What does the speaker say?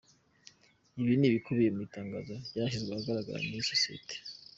Ibi ni ibikubiye mu itangazo ryashyizwe ahagaragara n’ iyi sosiyete.